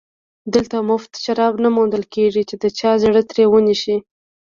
دلته مفت شراب نه موندل کېږي چې د چا زړه ترې ونشي